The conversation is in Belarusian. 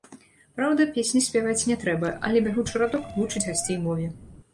Праўда, песні спяваць не трэба, але бягучы радок вучыць гасцей мове.